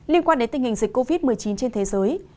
liên quan đến tình hình dịch covid một mươi chín trên thế giới